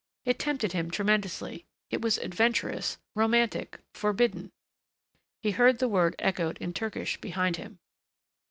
It tempted him tremendously. It was adventurous, romantic forbidden. He heard the word echoed in Turkish behind him.